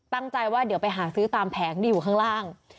ตั้งใจว่าเดี๋ยวไปหาซื้อตามแผงที่อยู่ข้างล่าง